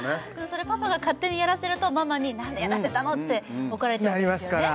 それパパが勝手にやらせるとママに「何でやらせたの！」って怒られちゃうんですよね